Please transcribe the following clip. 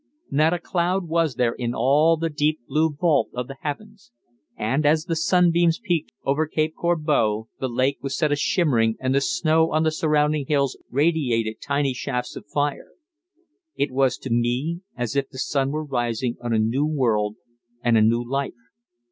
Not a cloud was there in all the deep blue vault of the heavens, and, as the sunbeams peeked over Cape Corbeau, the lake was set a shimmering and the snow on the surrounding hills radiated tiny shafts of fire. It was to me as if the sun were rising on a new world and a new life.